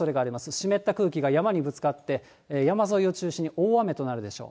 湿った空気が山にぶつかって、山沿いを中心に大雨となるでしょう。